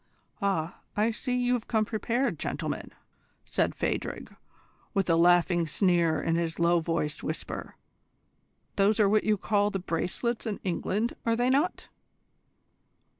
"Ah, I see that you have come prepared, gentlemen!" said Phadrig, with a laughing sneer in his low voiced whisper. "Those are what you call the bracelets in England, are they not?